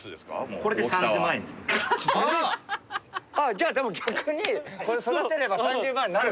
じゃあでも逆に育てれば３０万になる。